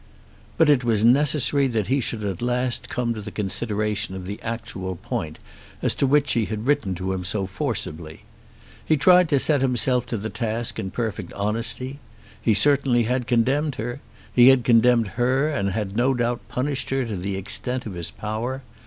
But it was necessary that he should at last come to the consideration of the actual point as to which she had written to him so forcibly. He tried to set himself to the task in perfect honesty. He certainly had condemned her. He had condemned her and had no doubt punished her to the extent of his power.